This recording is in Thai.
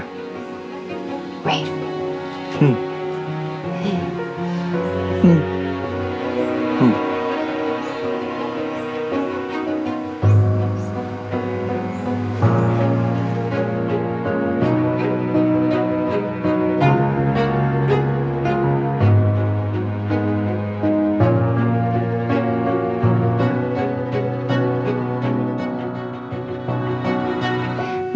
เอาล่ะ